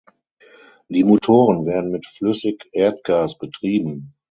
Die Motoren werden mit Flüssigerdgas betrieben.